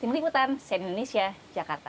tim liputan saya di indonesia jakarta